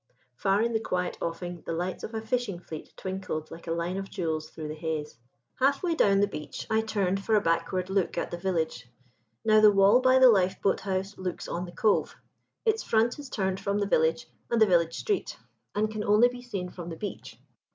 Far in the quiet offing the lights of a fishing fleet twinkled like a line of jewels through the haze. "Half way down the beach I turned for a backward look at the village. "Now the wall by the lifeboat house looks on the Cove. Its front is turned from the village and the village street, and can only be seen from the beach.